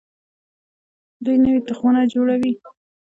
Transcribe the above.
دوی نوي تخمونه جوړوي.